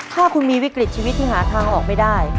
ถ้าคุณมีวิกฤตชีวิตที่หาทางออกไม่ได้